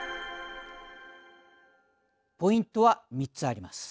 ポイントは３つあります。